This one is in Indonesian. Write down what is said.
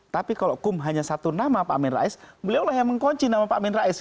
tapi kalau kum hanya satu nama pak amin rais beliau lah yang mengkunci nama pak amin rais